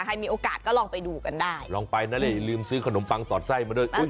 มีโอกาสก็ลองไปดูกันได้ลองไปนะนี่ลืมซื้อขนมปังสอดไส้มาด้วย